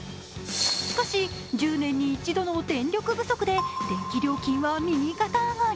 しかし１０年に一度の電力不足で電気料金は右肩上がり。